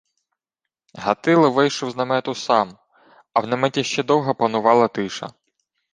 Гатило вийшов з намету сам, а в наметі ще довго панувала тиша.